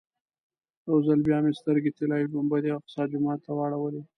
یو ځل بیا مې سترګې طلایي ګنبدې او اقصی جومات ته واړولې.